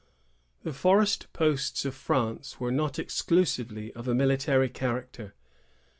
The forest posts of France were not exclusively of a military character.